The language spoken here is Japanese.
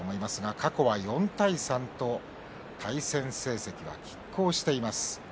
過去は４対３と対戦成績がきっ抗しています。